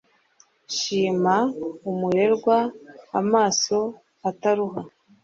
shima umurerwa amaso ataruha